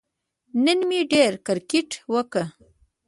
نن مې ډېر کیرکټ وکه